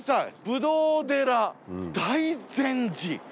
「ぶどう寺大善寺」。